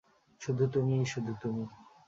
শুধু তুমি, শুধু তুমি!